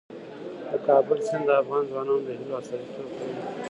د کابل سیند د افغان ځوانانو د هیلو استازیتوب کوي.